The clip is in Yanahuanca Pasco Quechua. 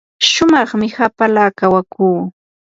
shumaqmi hapala kawakuu.